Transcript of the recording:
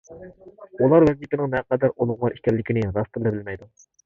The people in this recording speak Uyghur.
ئۇلار ۋەزىپىنىڭ نەقەدەر ئۇلۇغۋار ئىكەنلىكىنى راستتىنلا بىلمەيدۇ.